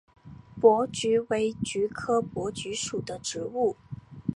珀菊为菊科珀菊属的植物。